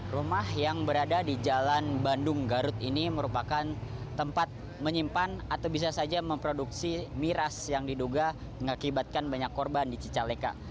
rumah yang berada di jalan bandung garut ini merupakan tempat menyimpan atau bisa saja memproduksi miras yang diduga mengakibatkan banyak korban di cicaleka